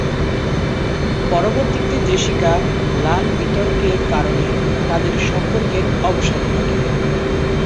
পরবর্তীতে জেসিকা লাল বিতর্কের কারণে তাদের সম্পর্কের অবসান ঘটে।